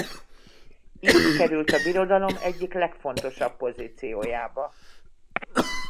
Így került a birodalom egyik legfontosabb pozíciójába.